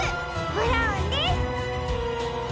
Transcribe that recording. ブラウンです！